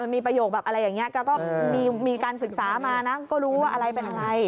มีประโยคแบบอะไรอย่างนี้แกก็มีการศึกษามานะก็รู้ว่าอะไรเป็นอะไร